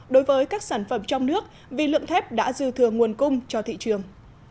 đối với các sản phẩm trong nước vì lượng thép đã dư thừa nguồn cung cho thị trường